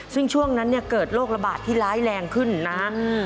ซึ่งช่วงนั้นเนี่ยเกิดโรคระบาดที่ร้ายแรงขึ้นนะฮะ